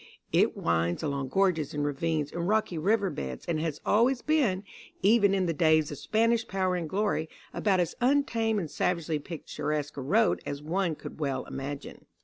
It winds along gorges and ravines and rocky river beds, and has always been, even in the days of Spanish power and glory, about as untamed and savagely picturesque a road as one could well imagine.